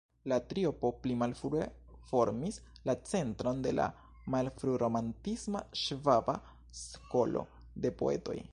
La triopo pli malfrue formis la centron de la malfru-romantisma "Ŝvaba Skolo" de poetoj.